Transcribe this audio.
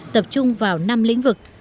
hai nghìn hai mươi tập trung vào năm lĩnh vực